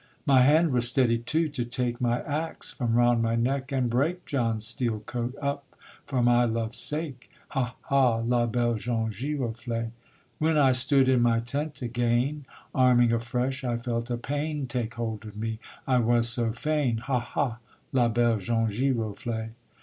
_ My hand was steady too, to take My axe from round my neck, and break John's steel coat up for my love's sake. Hah! hah! la belle jaune giroflée. When I stood in my tent again, Arming afresh, I felt a pain Take hold of me, I was so fain, _Hah! hah! la belle jaune giroflée.